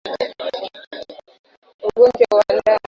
Ugonjwa wa ndama kuhara hutokea kwa kurundika mifugo sehemu moja